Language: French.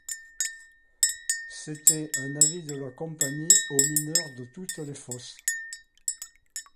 C'était un avis de la Compagnie aux mineurs de toutes les fosses.